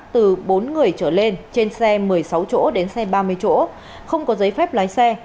từ bốn người trở lên trên xe một mươi sáu chỗ đến xe ba mươi chỗ không có giấy phép lái xe